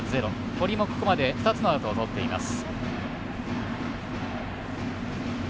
堀も、ここまで２つのアウトをとっています。